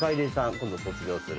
今度卒業する。